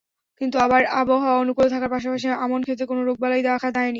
কিন্তু এবার আবহাওয়া অনুকূলে থাকার পাশাপাশি আমন খেতে কোনো রোগবলাই দেখা দেয়নি।